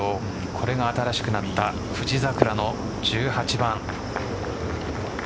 これが新しくなった富士桜の１８番。